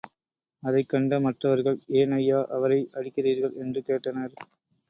அதைக்கண்ட மற்றவர்கள், ஏன் ஐயா, அவரை அடிக்கிறீர்கள்? என்று கேட்டனர்.